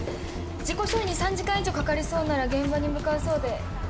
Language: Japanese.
事故処理に３時間以上かかりそうなら現場に向かうそうで。